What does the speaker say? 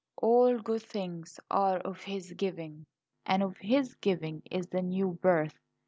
All good things are of His giving; and of His giving is the new birth.